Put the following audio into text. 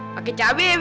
pakai cabe beb